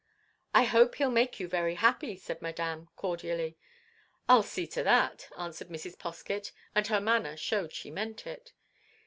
"I hope he'll make you very happy," said Madame, cordially. "I 'll see to that!" answered Mrs. Poskett; and her manner showed she meant it.